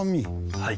はい。